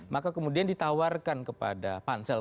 maka kemudian ditawarkan kepada pansel